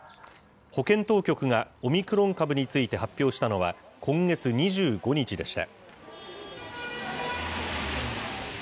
保健当局がオミクロン株について発表したのは、今月２５日でした。